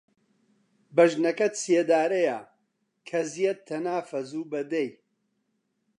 بەژنەکەت سێدارەیە، کەزیەت تەنافە زووبە دەی